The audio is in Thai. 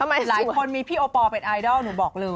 หลายคนมีพี่โอปอลเป็นไอดอลหนูบอกเลย